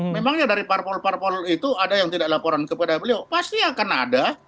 memangnya dari parpol parpol itu ada yang tidak laporan kepada beliau pasti akan ada